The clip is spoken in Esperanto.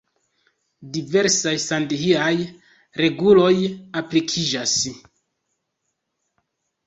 Diversaj sandhi-aj reguloj aplikiĝas.